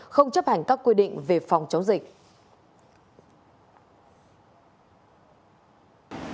không chấp hành các quy định về phòng chống dịch